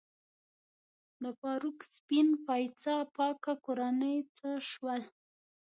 د فاروق سپین پایڅه پاکه کورنۍ څه شول؟